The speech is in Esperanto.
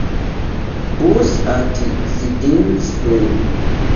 Bus at Siding Spring.